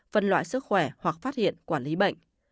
phân loại sức khỏe hoặc phát hiện quản lý bệnh